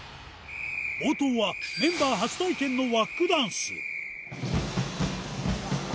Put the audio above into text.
冒頭は、メンバー初体験のワックダンス。